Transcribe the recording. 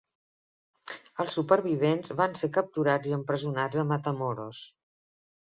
Els supervivents van ser capturats i empresonats a Matamoros.